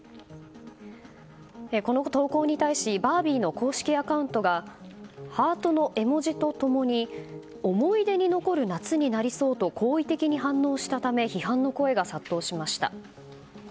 この投稿に対しバービーの公式アカウントがハートの絵文字と共に思い出に残る夏になりそうと好意的に反応したため批判の声が殺到しました。